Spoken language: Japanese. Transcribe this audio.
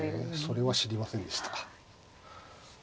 それは知りませんでした。